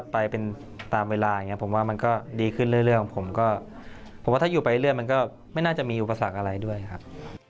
ผมว่าถ้าอยู่ไปเรื่อยมันก็ไม่น่าจะมีอุปสรรคอะไรด้วยครับ